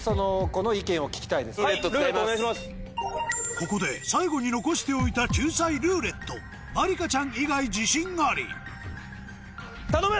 ここで最後に残しておいた救済「ルーレット」まりかちゃん以外自信あり頼む！